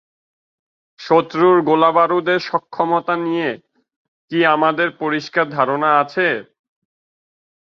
শত্রুর গোলাবারুদের সক্ষমতা নিয়ে কি আমাদের পরিষ্কার ধারণা আছে?